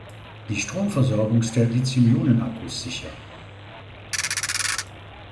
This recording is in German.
Die Stromversorgung stellen Lithium-Ionen-Akkus sicher.